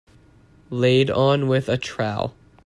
Laid on with a trowel